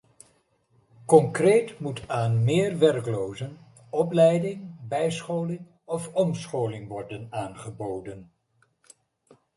Concreet moet aan meer werklozen opleiding, bijscholing of omscholing worden aangeboden.